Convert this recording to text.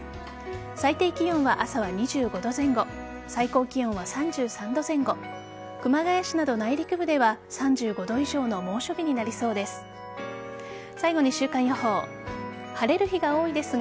最低気温は朝は２５度前後最高気温は３３度前後熊谷市など内陸部では３５度以上の猛暑日になりそうです。